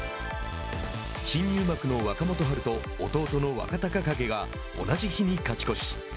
新入幕の若元春と弟の若隆景が同じ日に勝ち越し。